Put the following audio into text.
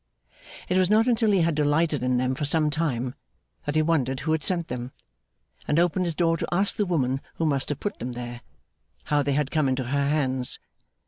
It was not until he had delighted in them for some time, that he wondered who had sent them; and opened his door to ask the woman who must have put them there, how they had come into her hands.